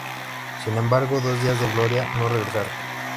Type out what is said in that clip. Sin embargo, los días de gloria no regresaron.